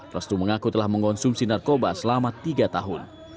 restu mengaku telah mengonsumsi narkoba selama tiga tahun